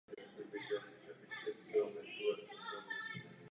Maximální průtok má v létě v období dešťů.